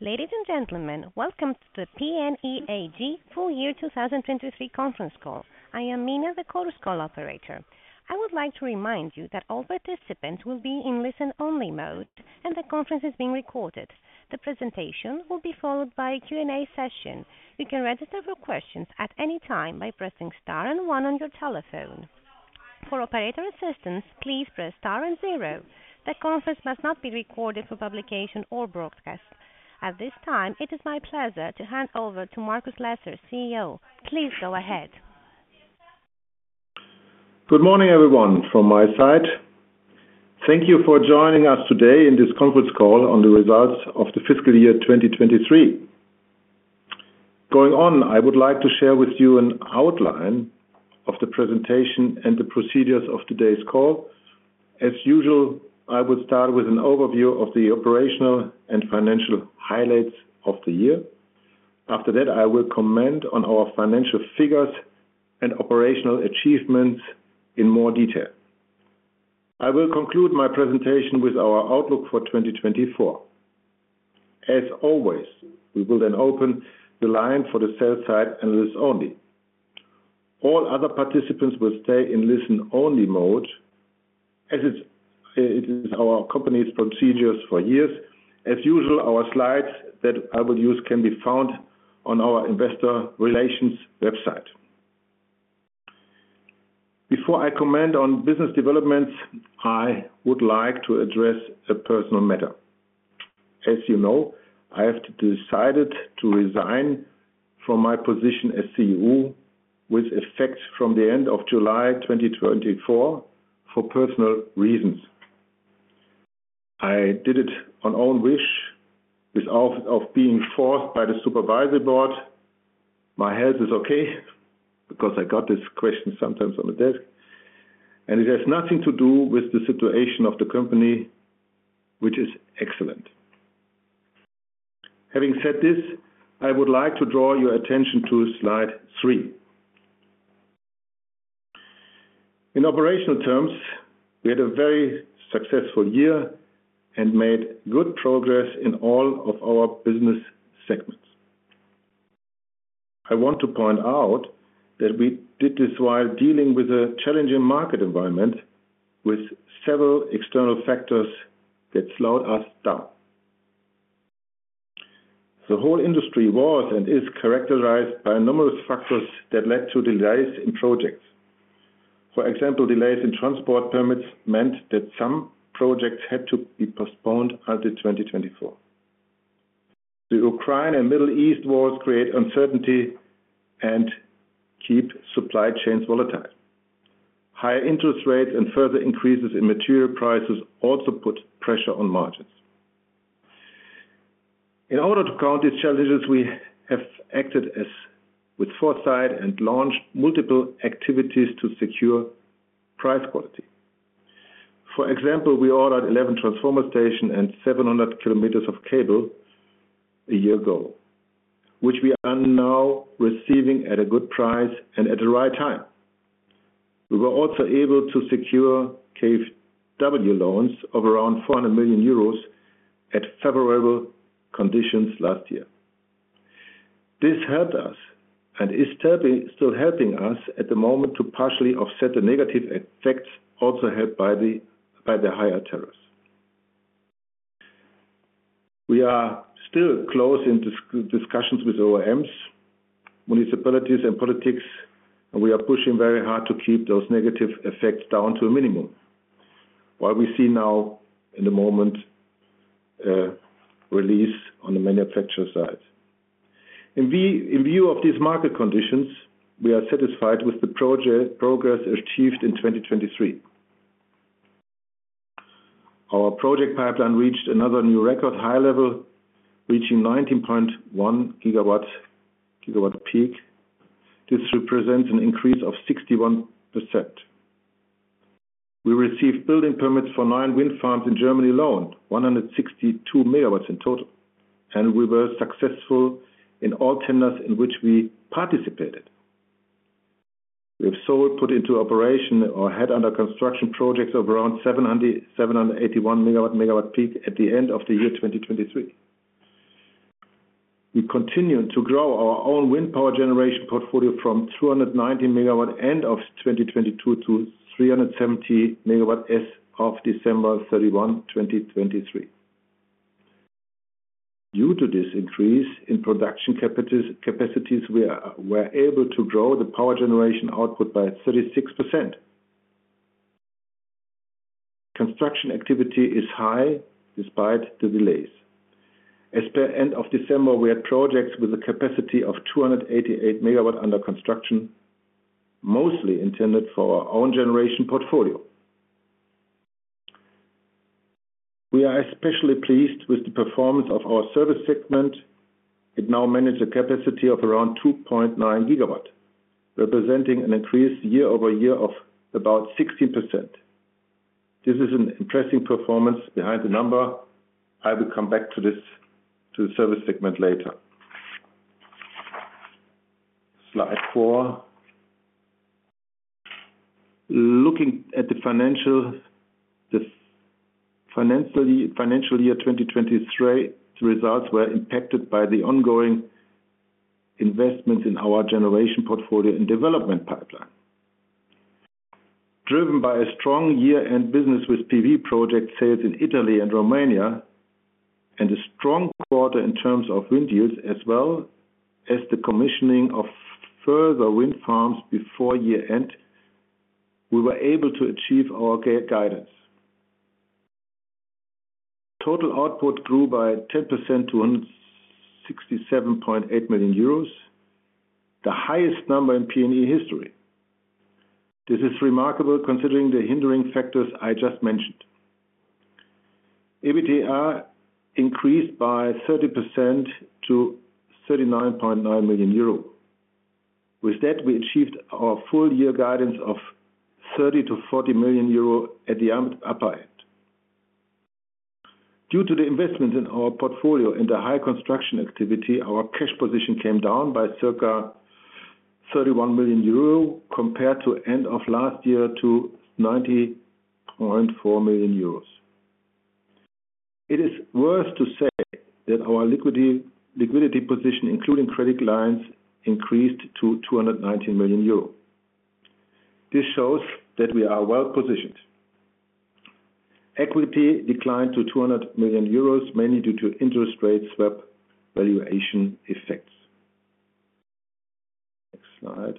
Ladies and gentlemen, welcome to the PNE AG Full Year 2023 Conference Call. I am Mina, the Chorus Call operator. I would like to remind you that all participants will be in listen-only mode, and the conference is being recorded. The presentation will be followed by a Q&A session. You can register for questions at any time by pressing star and 1 on your telephone. For operator assistance, please press star and 0. The conference must not be recorded for publication or broadcast. At this time, it is my pleasure to hand over to Markus Lesser, CEO. Please go ahead. Good morning, everyone, from my side. Thank you for joining us today in this conference call on the results of the fiscal year 2023. Going on, I would like to share with you an outline of the presentation and the procedures of today's call. As usual, I will start with an overview of the operational and financial highlights of the year. After that, I will comment on our financial figures and operational achievements in more detail. I will conclude my presentation with our outlook for 2024. As always, we will then open the line for the sell side and listen only. All other participants will stay in listen-only mode, as it is our company's procedures for years. As usual, our slides that I will use can be found on our investor relations website. Before I comment on business developments, I would like to address a personal matter. As you know, I have decided to resign from my position as CEO with effect from the end of July 2024 for personal reasons. I did it on own wish, without being forced by the supervisory board. My health is okay because I got this question sometimes on the desk. It has nothing to do with the situation of the company, which is excellent. Having said this, I would like to draw your attention to slide 3. In operational terms, we had a very successful year and made good progress in all of our business segments. I want to point out that we did this while dealing with a challenging market environment with several external factors that slowed us down. The whole industry was and is characterized by numerous factors that led to delays in projects. For example, delays in transport permits meant that some projects had to be postponed until 2024. The Ukraine and Middle East wars create uncertainty and keep supply chains volatile. Higher interest rates and further increases in material prices also put pressure on margins. In order to counter these challenges, we have acted with foresight and launched multiple activities to secure price quality. For example, we ordered 11 transformer stations and 700 kilometers of cable a year ago, which we are now receiving at a good price and at the right time. We were also able to secure KfW loans of around 400 million euros at favorable conditions last year. This helped us and is still helping us at the moment to partially offset the negative effects, also helped by the higher tariffs. We are still close in discussions with OEMs, municipalities, and politics, and we are pushing very hard to keep those negative effects down to a minimum, while we see now in the moment, release on the manufacturer side. In view of these market conditions, we are satisfied with the project progress achieved in 2023. Our project pipeline reached another new record high level, reaching 19.1 GWp. This represents an increase of 61%. We received building permits for nine wind farms in Germany alone, 162 MW in total, and we were successful in all tenders in which we participated. We have sold, put into operation, or had under construction projects of around 781 MW/MWp at the end of the year 2023. We continue to grow our own wind power generation portfolio from 290 MW end of 2022 to 370 MW as of December 31, 2023. Due to this increase in production capacities, we were able to grow the power generation output by 36%. Construction activity is high despite the delays. As per end of December, we had projects with a capacity of 288 MW under construction, mostly intended for our own generation portfolio. We are especially pleased with the performance of our service segment. It now manages a capacity of around 2.9 GW, representing an increase year-over-year of about 16%. This is an impressive performance behind the number. I will come back to this to the service segment later. Slide 4. Looking at the financial year 2023, the results were impacted by the ongoing investments in our generation portfolio and development pipeline, driven by a strong year-end business with PV project sales in Italy and Romania, and a strong quarter in terms of wind yields, as well as the commissioning of further wind farms before year-end. We were able to achieve our guidance. Total output grew by 10% to 167.8 million euros, the highest number in PNE history. This is remarkable considering the hindering factors I just mentioned. EBITDA increased by 30% to 39.9 million euro. With that, we achieved our full year guidance of 30 million-40 million euro at the upper end. Due to the investments in our portfolio and the high construction activity, our cash position came down by circa 31 million euro compared to end of last year to 90.4 million euros. It is worth to say that our liquidity position, including credit lines, increased to 219 million euro. This shows that we are well positioned. Equity declined to 200 million euros, mainly due to interest rate swap valuation effects. Next slide.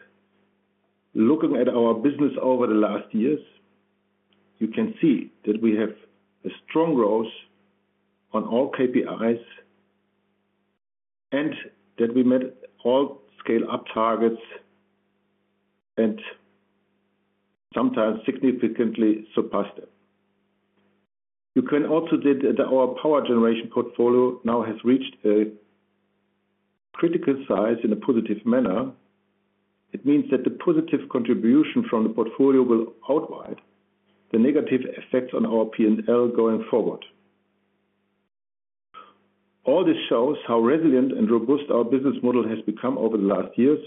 Looking at our business over the last years, you can see that we have a strong growth on all KPIs and that we met all Scale up targets and sometimes significantly surpassed them. You can also see that our power generation portfolio now has reached a critical size in a positive manner. It means that the positive contribution from the portfolio will outweigh the negative effects on our P&L going forward. All this shows how resilient and robust our business model has become over the last years.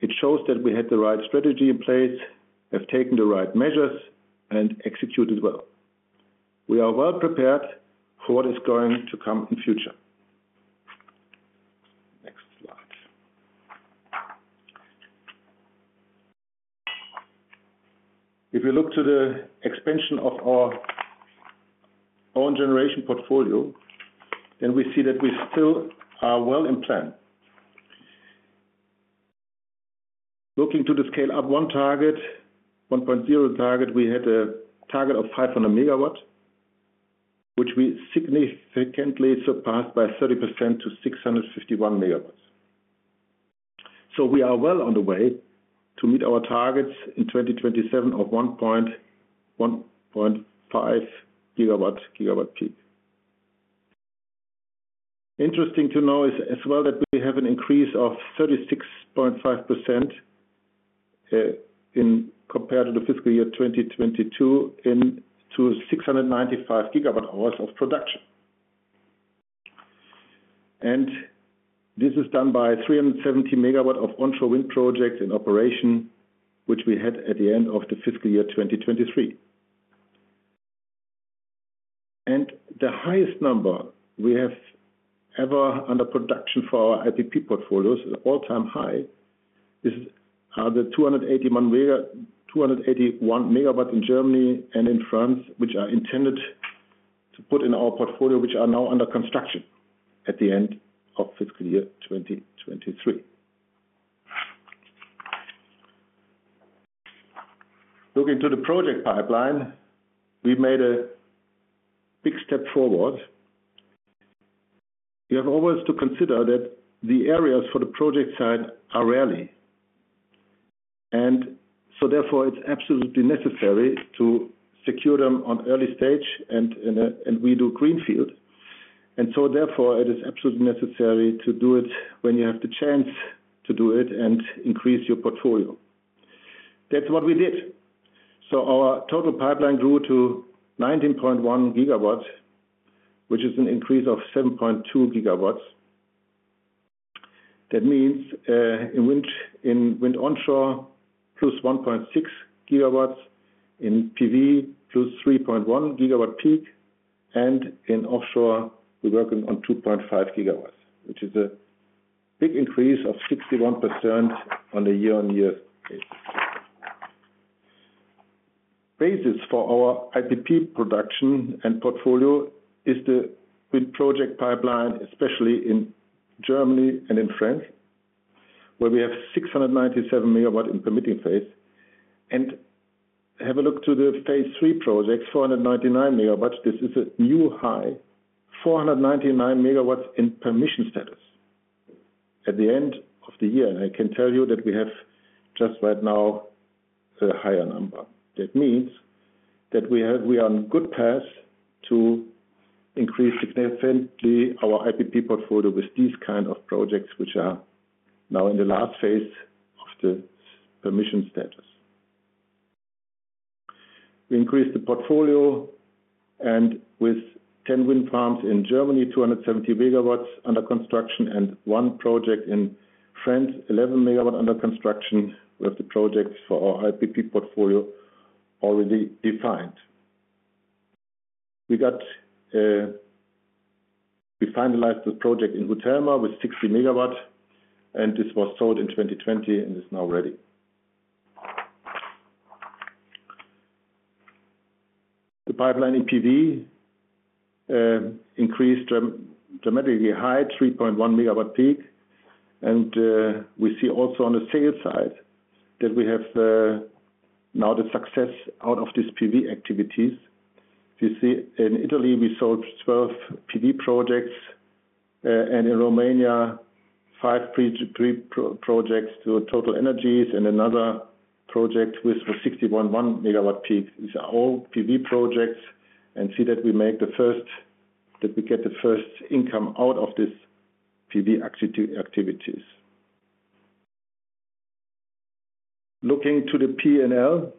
It shows that we had the right strategy in place, have taken the right measures, and executed well. We are well prepared for what is going to come in the future. Next slide. If you look to the expansion of our own generation portfolio, then we see that we still are well in plan. Looking to the Scale up 1.0 target, we had a target of 500 MW, which we significantly surpassed by 30% to 651 MW. So we are well on the way to meet our targets in 2027 of 1.15 GW, GWp. Interesting to know is as well that we have an increase of 36.5% compared to the fiscal year 2022 into 695 GWh of production. And this is done by 370 MW of onshore wind projects in operation, which we had at the end of the fiscal year 2023. The highest number we have ever under production for our IPP portfolios, all-time high, are the 281 MW 281 MW in Germany and in France, which are intended to put in our portfolio, which are now under construction at the end of fiscal year 2023. Looking to the project pipeline, we made a big step forward. You have always to consider that the areas for the project side are rarely. Therefore, it's absolutely necessary to secure them on early stage and in a and we do greenfield. Therefore, it is absolutely necessary to do it when you have the chance to do it and increase your portfolio. That's what we did. Our total pipeline grew to 19.1 GW, which is an increase of 7.2 GW. That means, in wind in wind onshore, +1.6 GW; in PV, +3.1 GWp; and in offshore, we're working on 2.5 GW, which is a big increase of 61% on a year-on-year basis. Basis for our IPP production and portfolio is the wind project pipeline, especially in Germany and in France, where we have 697 MW in permitting phase. Have a look to the phase 3 projects, 499 MW. This is a new high, 499 MW in permitting status at the end of the year. And I can tell you that we have just right now a higher number. That means that we are on good path to increase significantly our IPP portfolio with these kinds of projects, which are now in the last phase of the permitting status. We increased the portfolio and with 10 wind farms in Germany, 270 MW under construction, and 1 project in France, 11 MW under construction. We have the projects for our IPP portfolio already defined. We got, we finalized the project in Hultema with 60 MW. And this was sold in 2020 and is now ready. The pipeline in PV increased dramatically high, 3.1 MWp. And, we see also on the sales side that we have, now the success out of these PV activities. You see, in Italy, we sold 12 PV projects. And in Romania, 5 PV projects to TotalEnergies and another project with 61.1 MWp. These are all PV projects. And see that we make the first that we get the first income out of these PV activities. Looking to the P&L,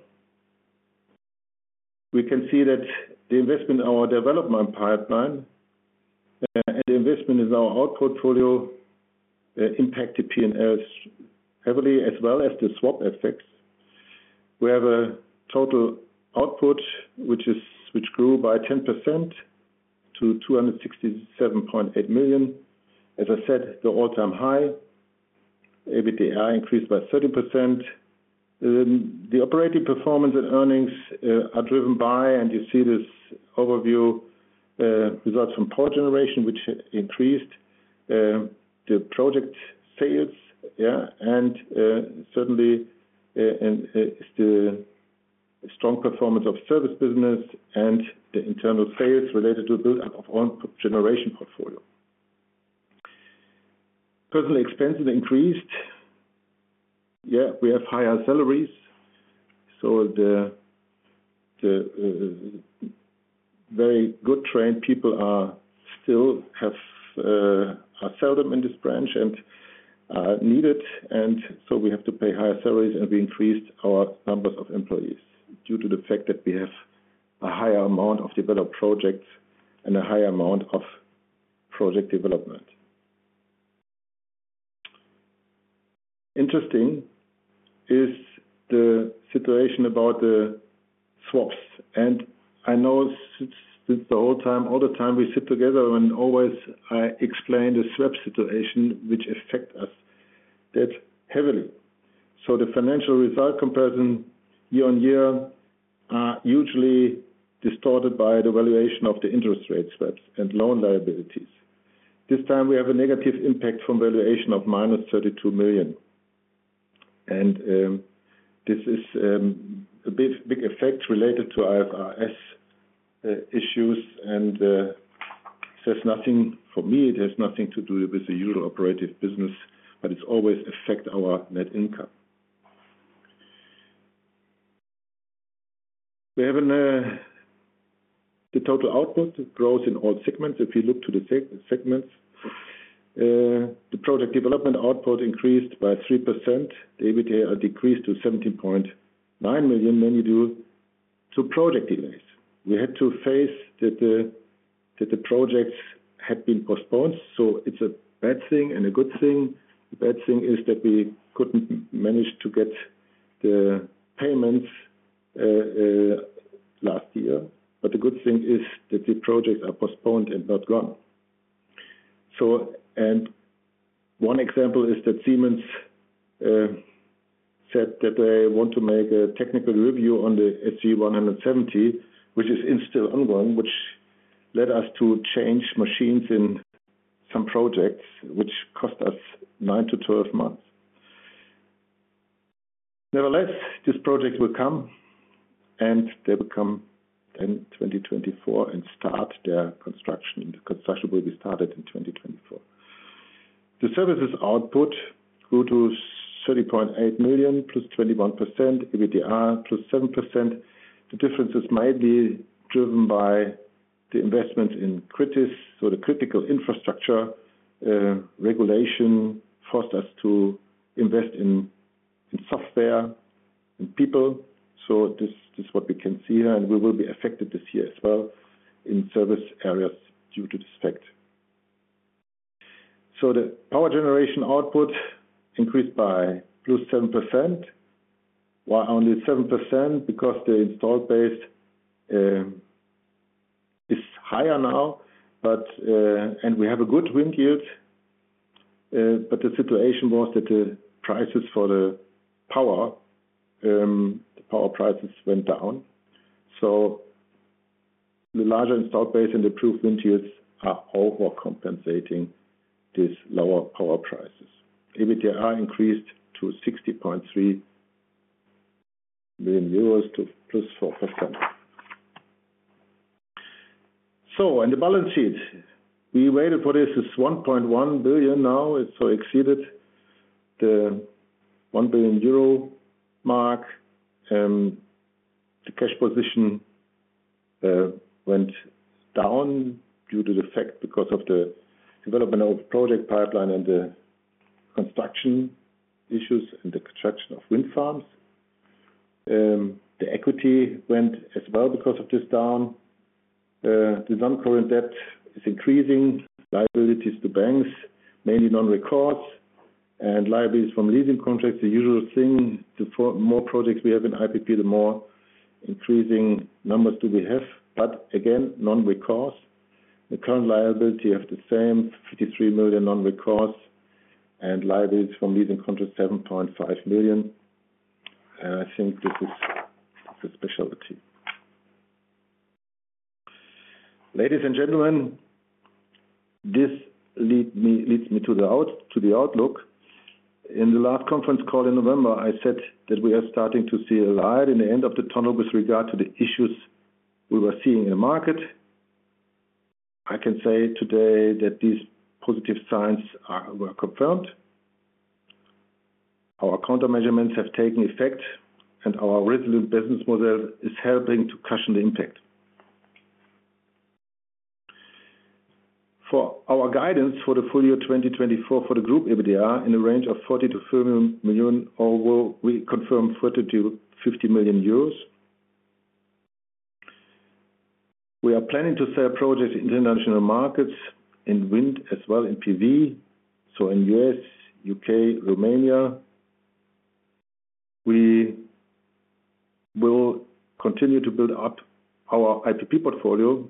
we can see that the investment in our development pipeline and the investment in our IPP portfolio impacted P&L heavily as well as the swap effects. We have a total output which grew by 10% to 267.8 million. As I said, the all-time high. EBITDA increased by 30%. The operating performance and earnings are driven by and you see this overview, results from power generation which increased, the project sales, yeah, and certainly is the strong performance of service business and the internal sales related to the buildup of own generation portfolio. Personnel expenses increased. Yeah, we have higher salaries. So the very well trained people are still seldom in this branch and are needed. So we have to pay higher salaries and we increased our numbers of employees due to the fact that we have a higher amount of developed projects and a higher amount of project development. Interesting is the situation about the swaps. I know since the whole time all the time we sit together and always I explain the swap situation, which affect us that heavily. So the financial result comparison year-on-year are usually distorted by the valuation of the interest rate swaps and loan liabilities. This time, we have a negative impact from valuation of -32 million. This is a big, big effect related to IFRS issues and it says nothing for me. It has nothing to do with the usual operative business, but it's always affect our net income. We have an the total output growth in all segments. If you look to the segments, the project development output increased by 3%. The EBITDA decreased to 17.9 million due to project delays. We had to face that the projects had been postponed. So it's a bad thing and a good thing. The bad thing is that we couldn't manage to get the payments last year. But the good thing is that the projects are postponed and not gone. So and one example is that Siemens said that they want to make a technical review on the SG170, which is still ongoing, which led us to change machines in some projects, which cost us 9-12 months. Nevertheless, this project will come and they will come in 2024 and start their construction. The construction will be started in 2024. The services output grew to 30.8 million plus 21%. EBITDA plus 7%. The difference is mightily driven by the investments in KRITIS. So the critical infrastructure regulation forced us to invest in in software and people. So this is what we can see here. And we will be affected this year as well in service areas due to this fact. So the power generation output increased by +7%. Why only 7%? Because the installed base is higher now, but and we have a good wind yield. But the situation was that the prices for the power, the power prices went down. So the larger installed base and the proof wind yields are all more compensating these lower power prices. EBITDA increased to EUR 60.3 million, +4%. So in the balance sheet, we waited for this is 1.1 billion now. It's so exceeded the 1 billion euro mark. The cash position went down due to the fact because of the development of project pipeline and the construction issues and the construction of wind farms. The equity went as well because of this down. The non-current debt is increasing. Liabilities to banks, mainly non-recourse and liabilities from leasing contracts, the usual thing. The more projects we have in IPP, the more increasing numbers do we have. But again, non-recourse. The current liability you have the same, 53 million non-recourse and liabilities from leasing contracts, 7.5 million. And I think this is the specialty. Ladies and gentlemen, this leads me to the outlook. In the last conference call in November, I said that we are starting to see a light in the end of the tunnel with regard to the issues we were seeing in the market. I can say today that these positive signs were confirmed. Our countermeasures have taken effect and our resilient business model is helping to cushion the impact. For our guidance for the full year 2024 for the group EBITDA in the range of 40-50 million euros, we confirm 30-50 million euros. We are planning to sell projects in international markets in wind as well in PV. So in U.S., U.K., Romania, we will continue to build up our IPP portfolio.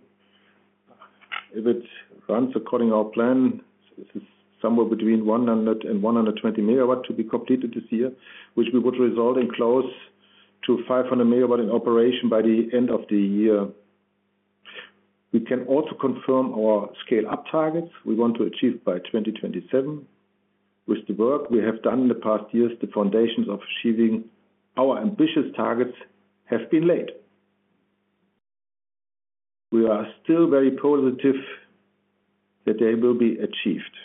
If it runs according to our plan, this is somewhere between 100-120 MW to be completed this year, which we would result in close to 500 MW in operation by the end of the year. We can also confirm our Scale-up targets we want to achieve by 2027. With the work we have done in the past years, the foundations of achieving our ambitious targets have been laid. We are still very positive that they will be achieved.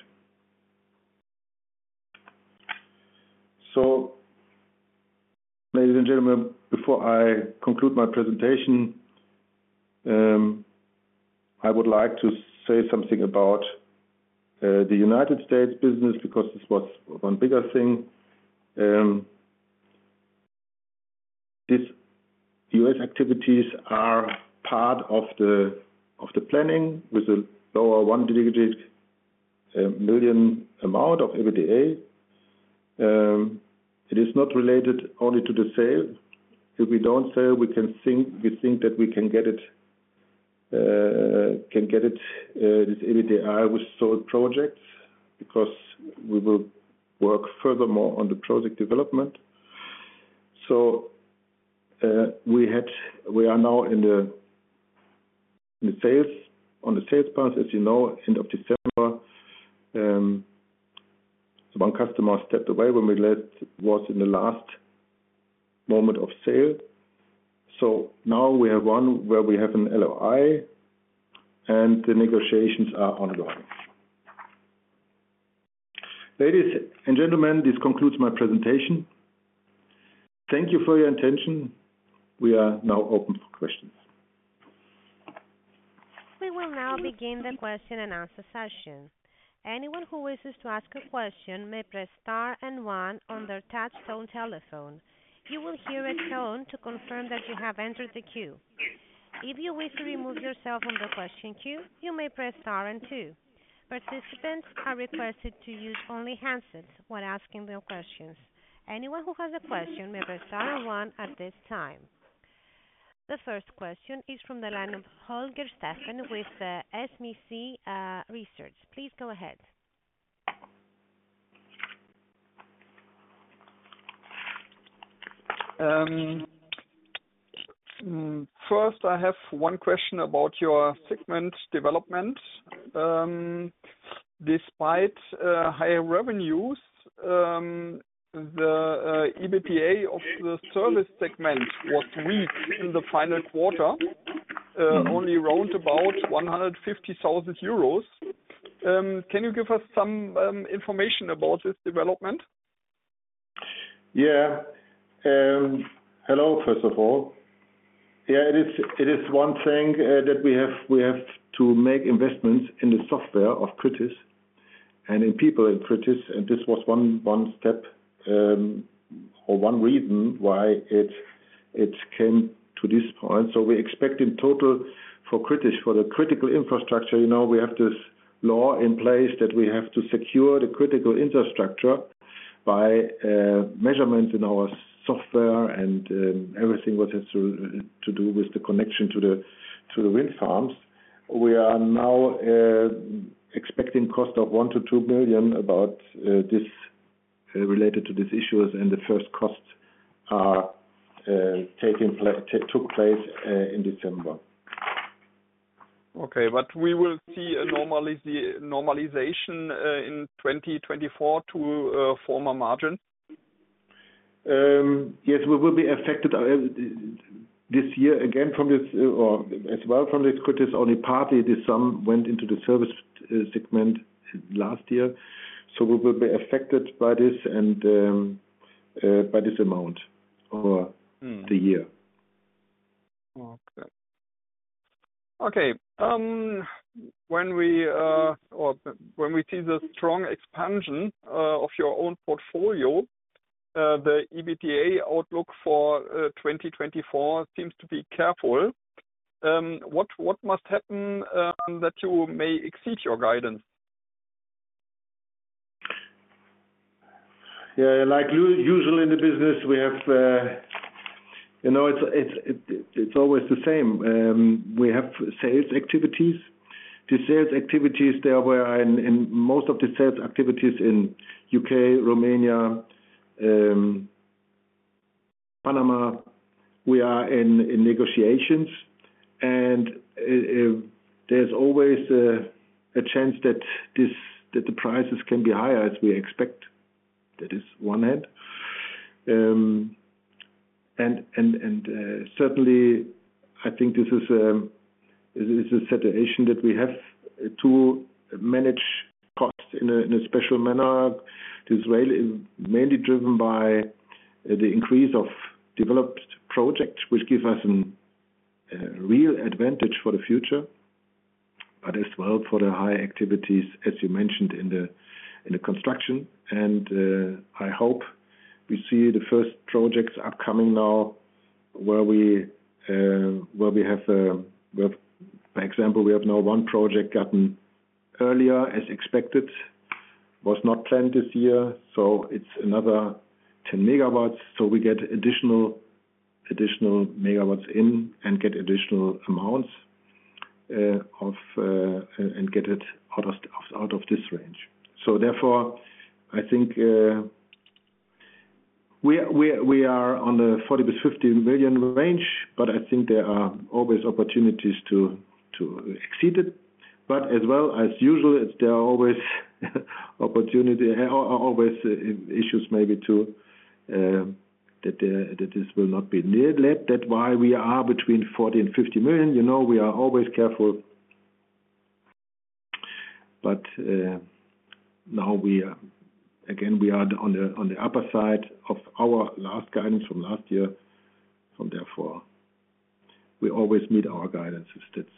So, ladies and gentlemen, before I conclude my presentation, I would like to say something about the United States business because this was one bigger thing. This U.S. activities are part of the planning with a lower single-digit million EUR amount of EBITDA. It is not related only to the sale. If we don't sell, we think that we can get it, this EBITDA with sold projects because we will work furthermore on the project development. So, we are now in the sales path, as you know, end of December. One customer stepped away when we were in the last moment of sale. So now we have one where we have an LOI and the negotiations are ongoing. Ladies and gentlemen, this concludes my presentation. Thank you for your attention. We are now open for questions. We will now begin the question and answer session. Anyone who wishes to ask a question may press star and one on their touch tone telephone. You will hear a tone to confirm that you have entered the queue. If you wish to remove yourself from the question queue, you may press star and two. Participants are requested to use only handset when asking their questions. Anyone who has a question may press star and one at this time. The first question is from the line of Holger Steffen with SMC Research. Please go ahead. First, I have one question about your segment development. Despite higher revenues, the EBITDA of the service segment was weak in the final quarter, only around 150,000 euros. Can you give us some information about this development? Yeah. Hello, first of all. Yeah, it is one thing that we have to make investments in the software of CRITIS and in people in CRITIS. And this was one step, or one reason why it came to this point. So we expect in total for CRITIS for the critical infrastructure, you know, we have this law in place that we have to secure the critical infrastructure by measurements in our software and everything what has to do with the connection to the wind farms. We are now expecting costs of 1-2 million about this related to these issues. And the first costs took place in December. Okay. But we will see a normalization in 2024 to former margins? Yes, we will be affected this year again from this or as well from this CRITIS only partly. This sum went into the services segment last year. So we will be affected by this and by this amount or the year. Okay. Okay. When we or when we see the strong expansion of your own portfolio, the EBITDA outlook for 2024 seems to be careful. What must happen that you may exceed your guidance? Yeah, like usual in the business, we have you know, it's it's it's always the same. We have sales activities. The sales activities therefore are in most of the sales activities in UK, Romania, Panama, we are in negotiations. And there's always a chance that the prices can be higher as we expect. That is one hand. Certainly, I think this is a situation that we have to manage costs in a special manner. This is really mainly driven by the increase of developed projects, which give us a real advantage for the future, but as well for the high activities, as you mentioned, in the construction. And I hope we see the first projects upcoming now where we have a where for example we have now one project gotten earlier as expected. Was not planned this year. So it's another 10 megawatts. So we get additional megawatts in and get additional amounts and get it out of this range. So therefore, I think we are on the 40 million-50 million range, but I think there are always opportunities to exceed it. But as well as usual, it's there are always opportunity or always issues maybe too, that there that this will not be let that why we are between 40 million and 50 million. You know, we are always careful. But now we are again, we are on the on the upper side of our last guidance from last year. From therefore, we always meet our guidances. That's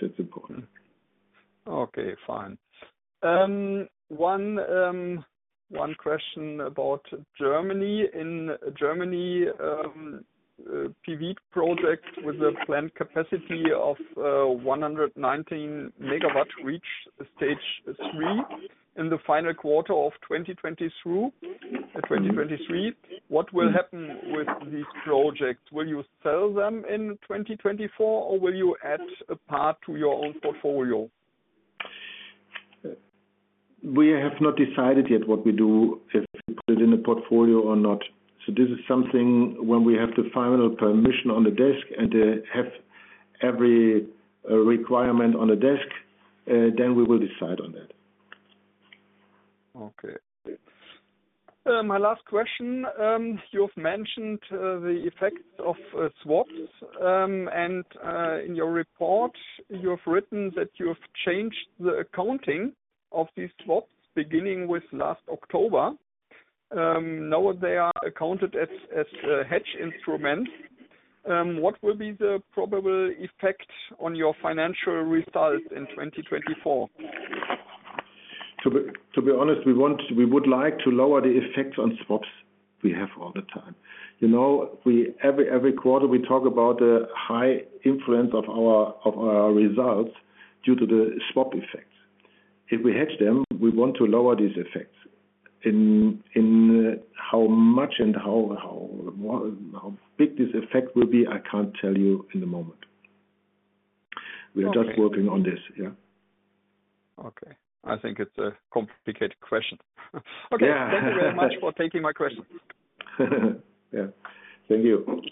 that's important. Okay. Fine. One question about Germany. In Germany, PV project with a planned capacity of 119 MW reached stage three in the final quarter of 2023, 2023. What will happen with these projects? Will you sell them in 2024 or will you add a part to your own portfolio? We have not decided yet what we do if we put it in the portfolio or not. So this is something when we have the final permission on the desk and have every requirement on the desk, then we will decide on that. Okay. My last question, you have mentioned the effects of swaps. And in your report, you have written that you have changed the accounting of these swaps beginning with last October. Now they are accounted as hedge instruments. What will be the probable effect on your financial results in 2024? To be honest, we would like to lower the effects on swaps we have all the time. You know, every quarter, we talk about the high influence of our results due to the swap effects. If we hedge them, we want to lower these effects. In how much and how big this effect will be, I can't tell you in the moment. We are just working on this. Yeah. Okay. I think it's a complicated question. Okay. Thank you very much for taking my questions. Yeah. Thank you.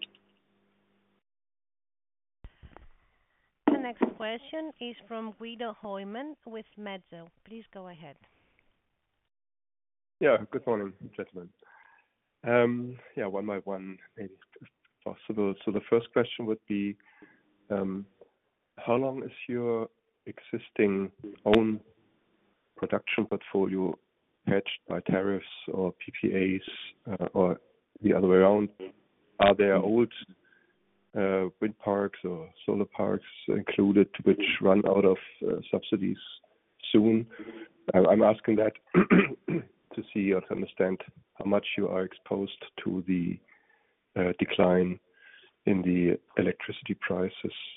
The next question is from Guido Hoymann with Metzler. Please go ahead. Yeah. Good morning, gentlemen. Yeah, one by one maybe if possible. So the first question would be, how long is your existing own production portfolio hedged by tariffs or PPAs or the other way around? Are there old wind parks or solar parks included which run out of subsidies soon? I'm asking that to see or to understand how much you are exposed to the decline in the electricity prices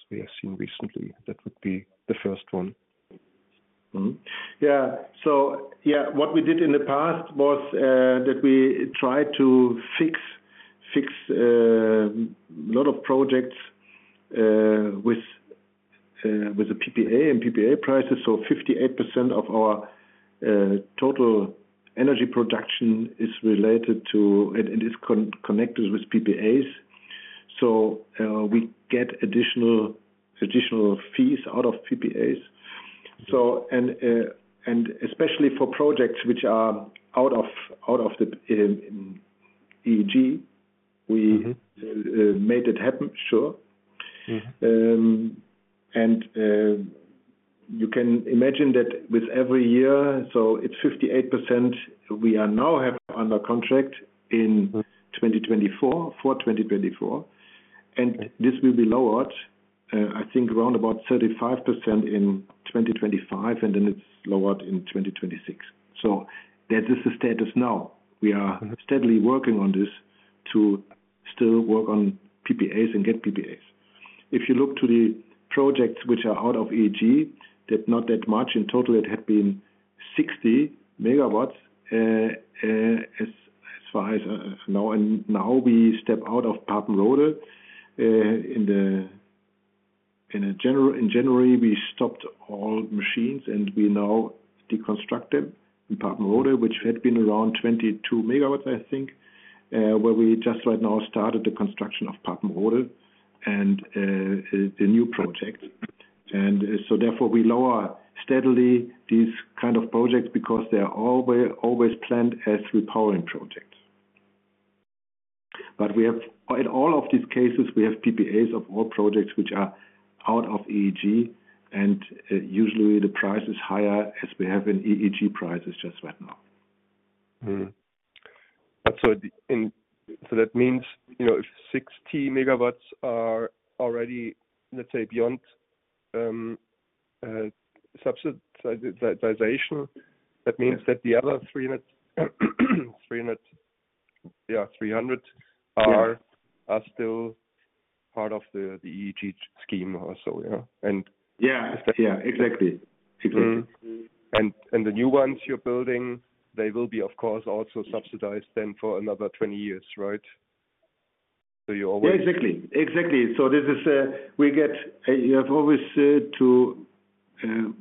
we have seen recently. That would be the first one. Yeah. So yeah, what we did in the past was, that we tried to fix fix, a lot of projects, with, with a PPA and PPA prices. 58% of our total energy production is related to and is connected with PPAs. We get additional fees out of PPAs. And especially for projects which are out of the EEG, we made it happen. Sure. You can imagine that with every year, so it's 58% we are now have under contract in 2024 for 2024. And this will be lowered, I think, around about 35% in 2025, and then it's lowered in 2026. So that this is the status now. We are steadily working on this to still work on PPAs and get PPAs. If you look to the projects which are out of EEG, that not that much in total, it had been 60 MW, as far as now. And now we step out of Papenrode. In general, in January, we stopped all machines and we now deconstructed in Papenrode, which had been around 22 MW, I think, where we just right now started the construction of Papenrode and the new projects. So therefore, we lower steadily these kind of projects because they are always planned as repowering projects. But we have in all of these cases, we have PPAs of all projects which are out of EEG. And usually, the price is higher as we have in EEG prices just right now. But so that means, you know, if 60 MW are already, let's say, beyond subsidization, that means that the other 300 MW are still part of the EEG scheme or so. Yeah. And yeah. Yeah. Exactly. Exactly. The new ones you're building, they will be, of course, also subsidized then for another 20 years, right? So you always. Yeah. Exactly. Exactly. So this is, we get you have always to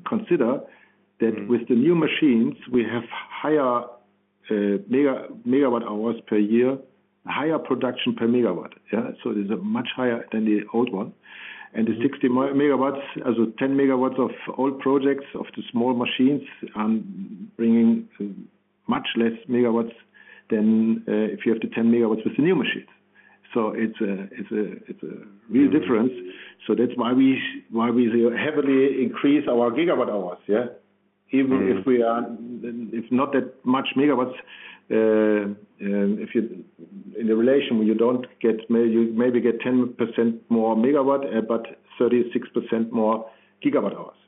consider that with the new machines, we have higher megawatt hours per year, higher production per megawatt. Yeah. So it is much higher than the old one. And the 60 megawatts also 10 megawatts of old projects of the small machines are bringing much less megawatts than if you have the 10 megawatts with the new machines. So it's a real difference. So that's why we heavily increase our gigawatt hours. Yeah. Even if we are not that much megawatts, if you in the relation, you don't get, you maybe get 10% more megawatt, but 36% more gigawatt hours.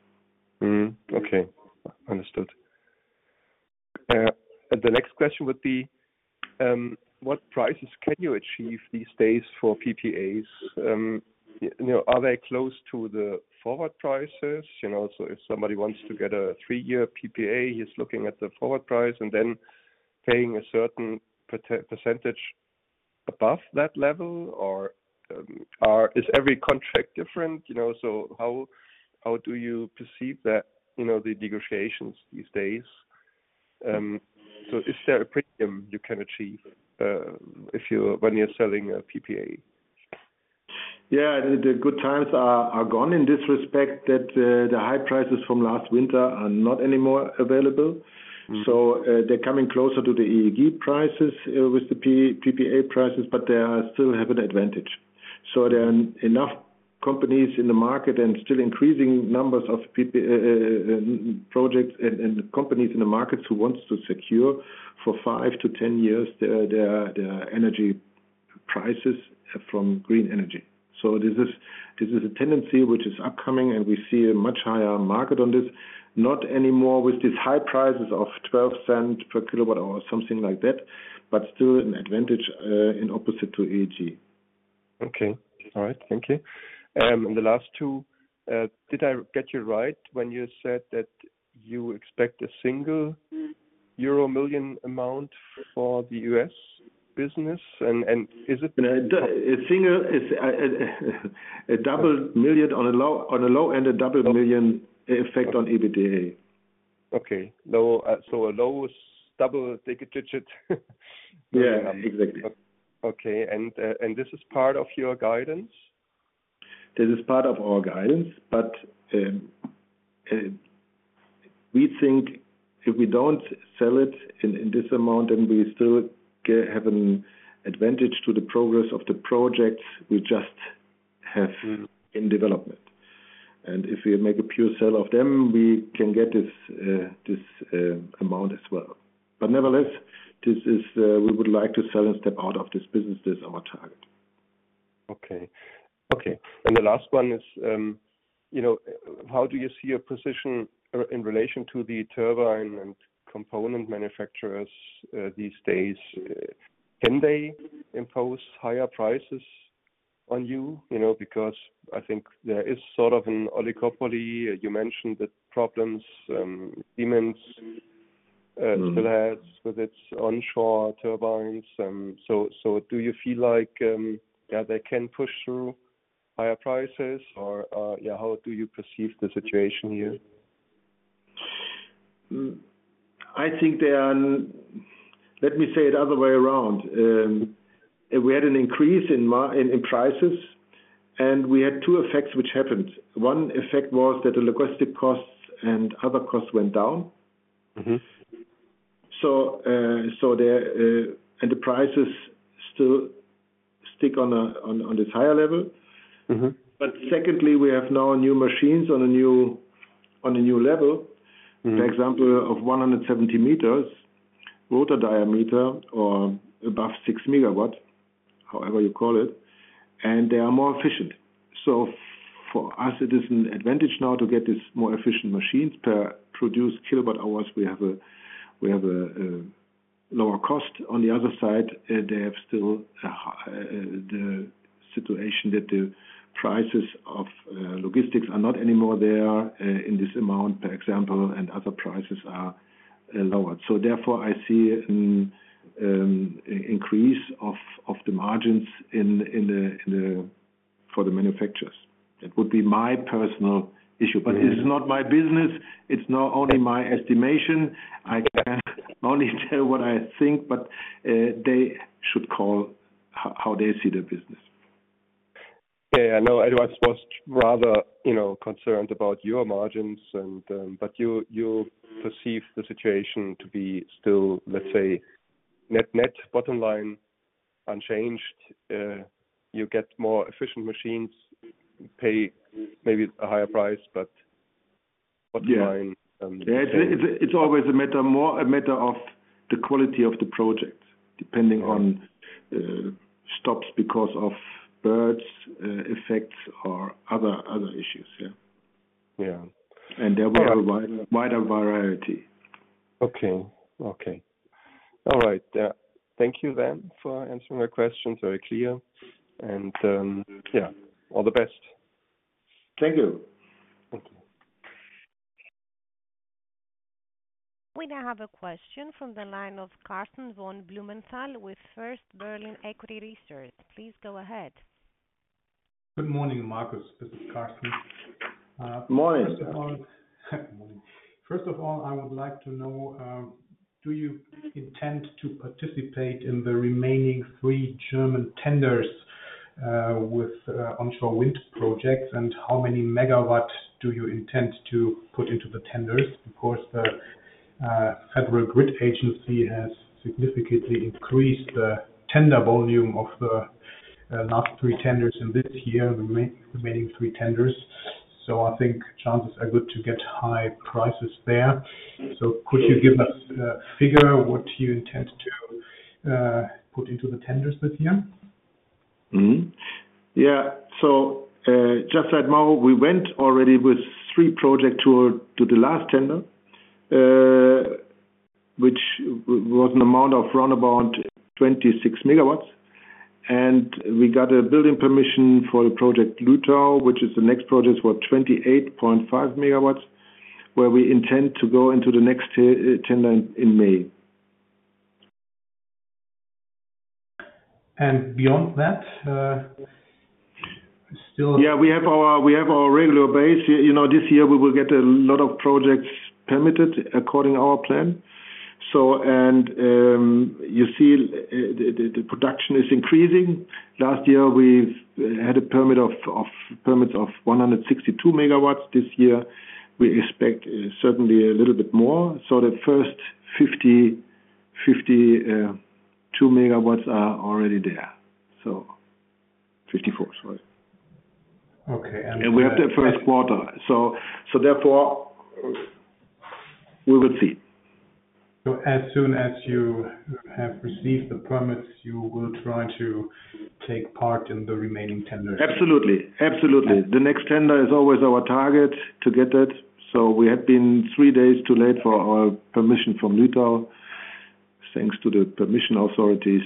Okay. Understood. The next question would be, what prices can you achieve these days for PPAs? You know, are they close to the forward prices? You know, so if somebody wants to get a three-year PPA, he's looking at the forward price and then paying a certain percentage above that level or, is every contract different? You know, so how do you perceive that, you know, the negotiations these days? So is there a premium you can achieve, if you're when you're selling a PPA? Yeah. The good times are gone in this respect that, the high prices from last winter are not anymore available. So, they're coming closer to the EEG prices, with the PPA prices, but they still have an advantage. So there are enough companies in the market and still increasing numbers of PPA projects and companies in the markets who wants to secure for 5-10 years their energy prices from green energy. So this is a tendency which is upcoming, and we see a much higher market on this. Not anymore with these high prices of 0.12 per kWh or like that, but still an advantage, in opposite to EEG. Okay. All right. Thank you. And the last two, did I get you right when you said that you expect a single-digit euro million amount for the US business? And is it? A single is a double million on a low end, a double million effect on EBITDA. Okay. Low, so a low double-digit number. Yeah. Exactly. Okay. And this is part of your guidance? This is part of our guidance. But, we think if we don't sell it in this amount, then we still have an advantage to the progress of the projects we just have in development. And if we make a pure sale of them, we can get this, this, amount as well. But nevertheless, this is we would like to sell and step out of this business. This is our target. Okay. Okay. And the last one is, you know, how do you see your position in relation to the turbine and component manufacturers, these days? Can they impose higher prices on you? You know, because I think there is sort of an oligopoly. You mentioned the problems Siemens still has with its onshore turbines. So, so do you feel like, yeah, they can push through higher prices or, yeah, how do you perceive the situation here? I think they are. Let me say it other way around. We had an increase in prices, and we had two effects which happened. One effect was that the logistic costs and other costs went down. So, there, and the prices still stick on this higher level. But secondly, we have now new machines on a new level, for example, of 170-meter rotor diameter or above 6 MW, however you call it. And they are more efficient. So for us, it is an advantage now to get these more efficient machines per produced kWh. We have a lower cost. On the other side, they have still the situation that the prices of logistics are not anymore there in this amount, for example, and other prices are lower. So therefore, I see an increase of the margins in the for the manufacturers. That would be my personal issue. But it's not my business. It's not only my estimation. I can only tell what I think, but they should call how they see their business. Yeah. Yeah. No, Edwards was rather, you know, concerned about your margins. But you perceive the situation to be still, let's say, net net, bottom line, unchanged. You get more efficient machines, pay maybe a higher price, but bottom line, yeah. Yeah. It's always more a matter of the quality of the project depending on stops because of birds, effects or other issues. Yeah. Yeah. And there will be a wider variety. Okay. Okay. All right. Thank you then for answering my questions. Very clear. And, yeah, all the best. Thank you. Thank you. We now have a question from the line of Karsten von Blumenthal with First Berlin Equity Research. Please go ahead. Good morning, Markus. This is Karsten. Good morning. Good morning. First of all, I would like to know, do you intend to participate in the remaining three German tenders, with onshore wind projects? And how many megawatt do you intend to put into the tenders? Because the Federal Grid Agency has significantly increased the tender volume of the last three tenders in this year, the remaining three tenders. So I think chances are good to get high prices there. So could you give us a figure what you intend to put into the tenders this year? Yeah. So, just like uncertain, we went already with three projects to do the last tender, which was an amount of roundabout 26 MW. And we got a building permission for the project Lütau, which is the next project for 28.5 MW, where we intend to go into the next tender in May. And beyond that, still yeah. We have our we have our regular base. You know, this year, we will get a lot of projects permitted according to our plan. So and, you see, the production is increasing. Last year, we had a permit of permits of 162 MW. This year, we expect certainly a little bit more. So the first 50 52 MW are already there. So 54. Sorry. Okay. And we have the first quarter. So so therefore, we will see. So as soon as you have received the permits, you will try to take part in the remaining tenders? Absolutely. Absolutely. The next tender is always our target to get it. So we have been three days too late for our permission from Lütau thanks to the permission authorities.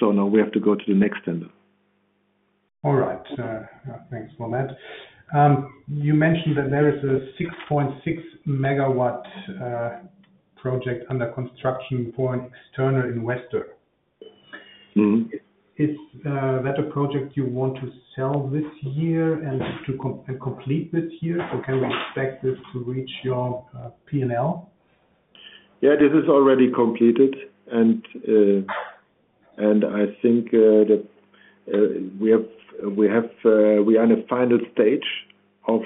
So now we have to go to the next tender. All right. Thanks for that. You mentioned that there is a 6.6 MW project under construction for an external investor. Is that a project you want to sell this year and to complete this year? So can we expect this to reach your P&L? Yeah. This is already completed. And I think that we are in a final stage of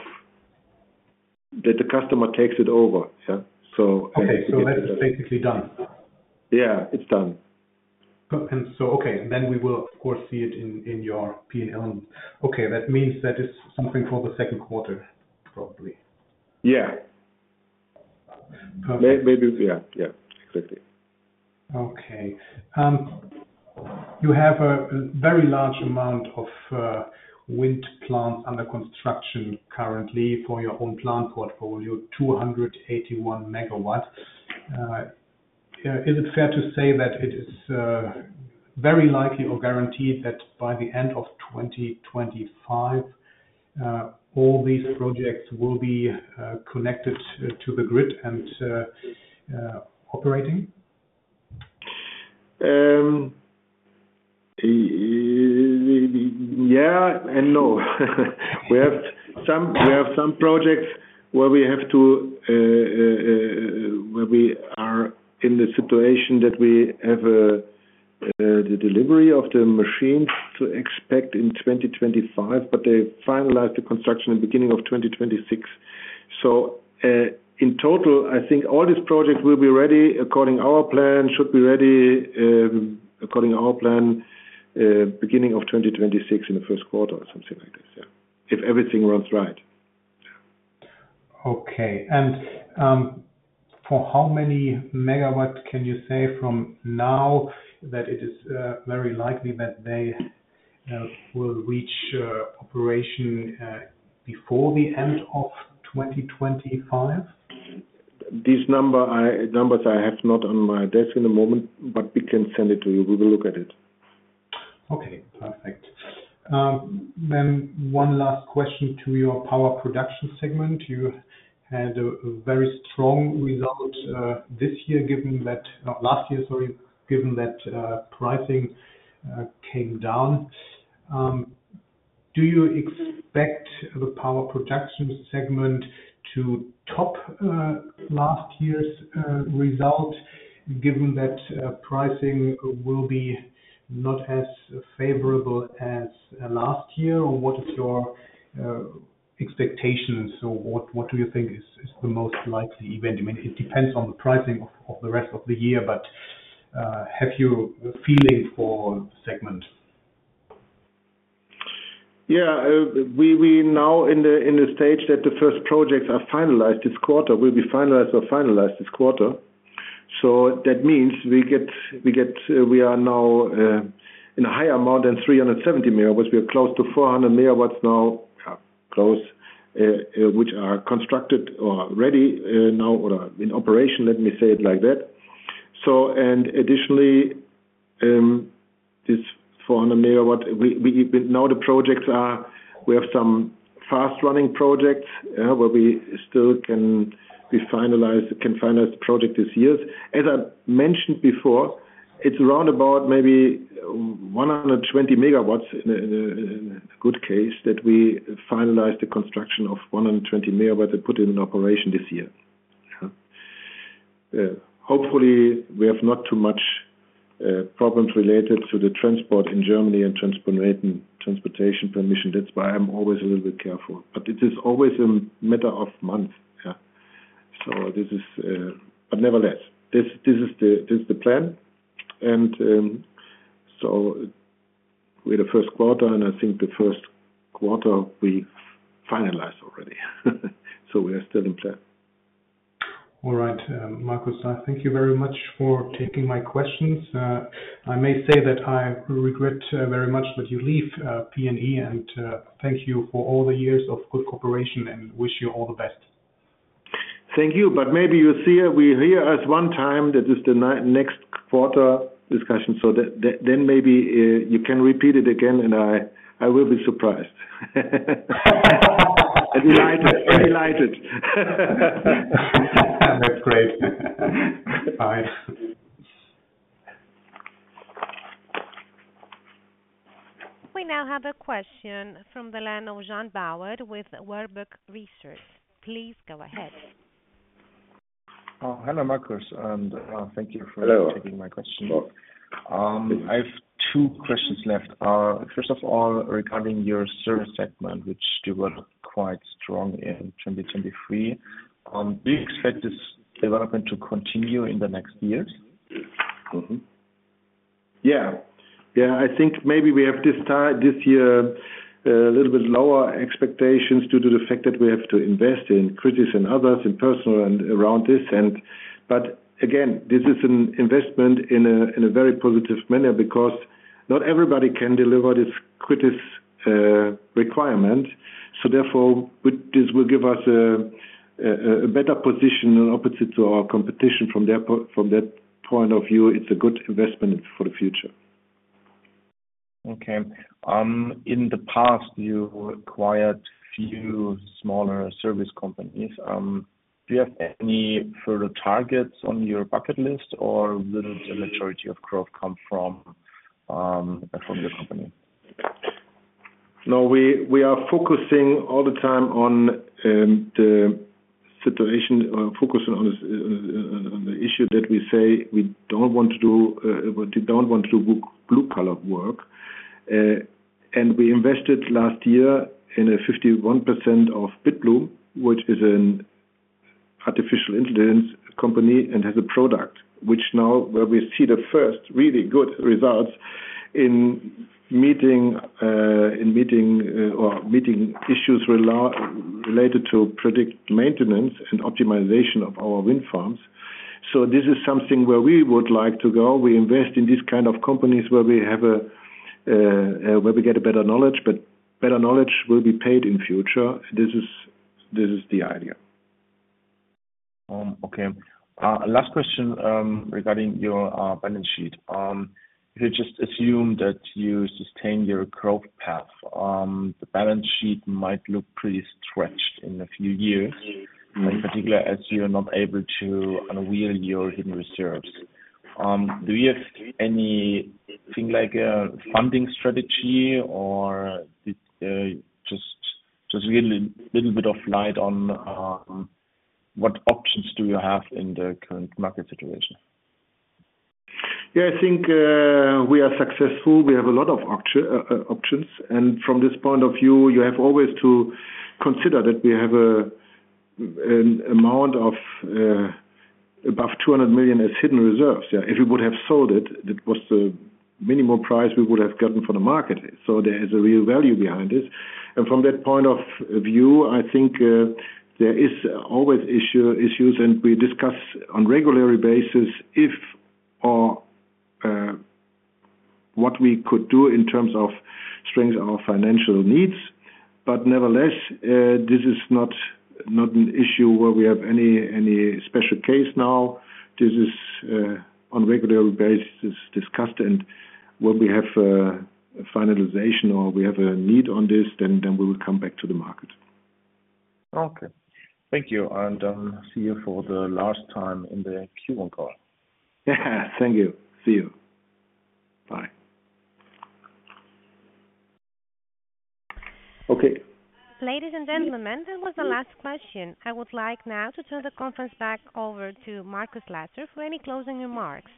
that the customer takes it over. Yeah. So okay. So that's basically done? Yeah. It's done. And so okay. And then we will, of course, see it in your P&L. Okay. That means that is something for the second quarter, probably. Yeah. Maybe yeah. Yeah. Exactly. Okay. You have a very large amount of wind plants under construction currently for your own plant portfolio, 281 MW. Is it fair to say that it is very likely or guaranteed that by the end of 2025, all these projects will be connected to the grid and operating? Yeah and no. We have some projects where we are in the situation that we have the delivery of the machines to expect in 2025, but they finalized the construction in the beginning of 2026. So, in total, I think all these projects will be ready according to our plan, should be ready, according to our plan, beginning of 2026 in the first quarter or something like this. Yeah. If everything runs right. Okay. For how many megawatt can you say from now that it is very likely that they will reach operation before the end of 2025? This number I numbers I have not on my desk in the moment, but we can send it to you. We will look at it. Okay. Perfect. Then one last question to your power production segment. You had a very strong result this year given that last year, sorry, given that pricing came down. Do you expect the power production segment to top last year's result given that pricing will be not as favorable as last year? Or what is your expectations? So what do you think is the most likely event? I mean, it depends on the pricing of the rest of the year, but have you a feeling for the segment? Yeah. We now in the stage that the first projects are finalized. This quarter will be finalized or finalized this quarter. So that means we get we are now in a higher amount than 370 MW. We are close to 400 MW now, close, which are constructed or ready now or in operation. Let me say it like that. So and additionally, this 400 megawatt, we now the projects are we have some fast-running projects, where we still can we finalize can finalize the project this year. As I mentioned before, it's roundabout maybe 120 MW in a good case that we finalize the construction of 120 MW and put it in operation this year. Yeah. Hopefully, we have not too much problems related to the transport in Germany and transportation permission. That's why I'm always a little bit careful. But it is always a matter of months. Yeah. So this is, but nevertheless, this is the plan. So we're in the first quarter, and I think the first quarter, we finalized already. So we are still in plan. All right. Markus, I thank you very much for taking my questions. I may say that I regret very much that you leave PNE. And, thank you for all the years of good cooperation and wish you all the best. Thank you. But maybe you see we hear us one time. That is the next quarter discussion. So then maybe you can repeat it again, and I will be surprised. I'm delighted. I'm delighted. That's great. Bye. We now have a question from the line of Jan Bauer with Warburg Research. Please go ahead. Hello, Markus. And thank you for taking my question. Hello. I have two questions left. First of all, regarding your service segment, which you were quite strong in 2023, do you expect this development to continue in the next years? Yeah. Yeah. I think maybe we have this time this year, a little bit lower expectations due to the fact that we have to invest in CRITIS and others in personal and around this. And but again, this is an investment in a in a very positive manner because not everybody can deliver this CRITIS requirement. So therefore, this will give us a better position opposite to our competition. From there, from that point of view, it's a good investment for the future. Okay. In the past, you acquired a few smaller service companies. Do you have any further targets on your bucket list, or will the majority of growth come from your company? No. We are focusing all the time on the situation or focusing on the issue that we say we don't want to do blue-collar work. And we invested last year in a 51% of Bitbloom, which is an artificial intelligence company and has a product, which now where we see the first really good results in meeting issues related to predictive maintenance and optimization of our wind farms. So this is something where we would like to go. We invest in these kind of companies where we get a better knowledge, but better knowledge will be paid in future. This is the idea. Okay. Last question, regarding your balance sheet. If you just assume that you sustain your growth path, the balance sheet might look pretty stretched in a few years, in particular as you're not able to unlock your hidden reserves. Do you have anything like a funding strategy, or just really a little bit of light on what options you have in the current market situation? Yeah. I think we are successful. We have a lot of options. And from this point of view, you have always to consider that we have an amount of above 200 million as hidden reserves. Yeah. If we would have sold it, that was the minimum price we would have gotten from the market. So there is a real value behind this. And from that point of view, I think, there is always issues and we discuss on a regular basis if or, what we could do in terms of strengthen our financial needs. But nevertheless, this is not an issue where we have any special case now. This is, on a regular basis discussed. And when we have a finalization or we have a need on this, then we will come back to the market. Okay. Thank you. And, see you for the last time in the Q1 call. Yeah. Thank you. See you. Bye. Okay. Ladies and gentlemen, that was the last question. I would like now to turn the conference back over to Markus Lesser for any closing remarks.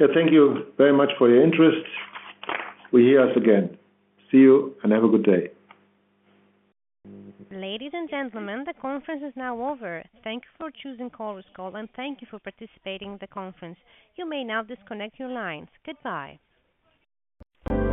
Yeah. Thank you very much for your interest. We hear us again. See you and have a good day. Ladies and gentlemen, the conference is now over. Thank you for choosing Chorus Call, and thank you for participating in the conference. You may now disconnect your lines. Goodbye.